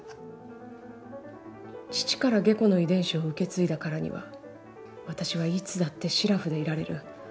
父から下戸の遺伝子を受け継いだからには私はいつだって素面でいられる。